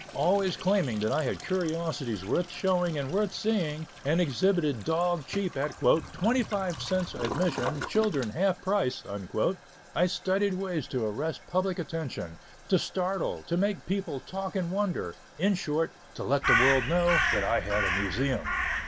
Always claiming that I had curiosities worth showing and worth seeing, and exhibited "dog cheap" at "twenty five cents admission, children half price" I studied ways to arrest public attention; to startle, to make people talk and wonder; in short, to let the world know that I had a Museum.